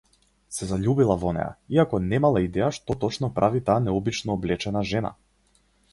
Се заљубила во неа, иако немала идеја што точно прави таа необично облечена жена.